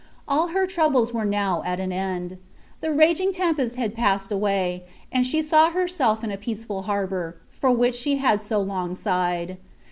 All her troubles were now at an end. The raging tem pest had passed away, and she saw herself in a peace fol harbour, for which she had so long sighed.